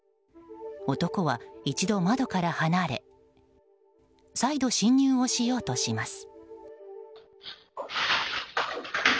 男は一度窓から離れ再度侵入をしようとします。